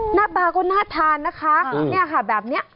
หน้าบาลก็น่าทานนะคะ